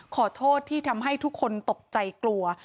ขอโทษที่ทำให้ทุกคนตกใจกลัว